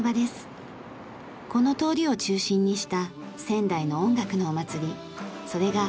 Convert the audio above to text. この通りを中心にした仙台の音楽のお祭りそれが